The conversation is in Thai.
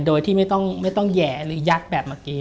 โดยที่แหงค่อยหรือยัดแบบเมื่อกี้